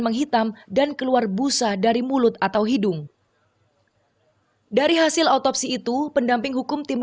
menghitam dan keluar busa dari mulut atau hidung dari hasil otopsi itu pendamping hukum tim